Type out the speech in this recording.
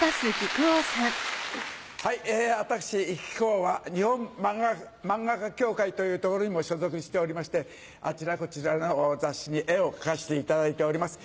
はい私木久扇は日本漫画家協会というところにも所属しておりましてあちらこちらの雑誌に絵を描かせていただいております。